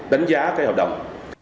đánh giá cái hợp đồng